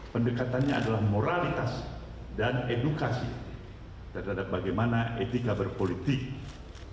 pendekatannya adalah moralitas dan edukasi terhadap bagaimana etika berpolitik yang sebaik baik berhasil